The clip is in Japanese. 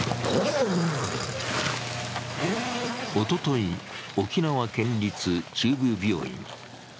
おととい、沖縄県立中部病院。